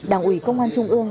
đảng ủy công an trung ương